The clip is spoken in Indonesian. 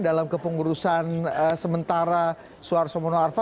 dalam kepengurusan sementara suarso mono arva